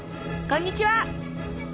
こんにちは。